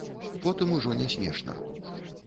Потым ужо не смешна.